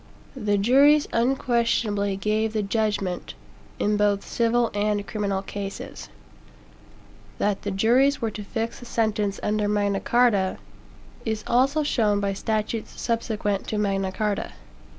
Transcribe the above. The juries unquestionably gave the "judgment" in both civil and criminal cases. That the juries were to fix the sentence under Magna Carta, is also shown by statutes subsequent to Magna Carta.